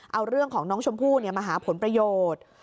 เอาเรื่องของน้องชมพู่มาหาผลประโยชน์